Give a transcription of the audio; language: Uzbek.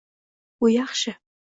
Bu yaxshi.